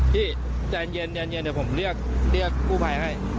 พี่ใจเย็นเดี๋ยวผมเรียกกู้ภัยให้